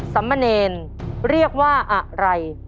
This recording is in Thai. สำเนรเรียกว่าอะไร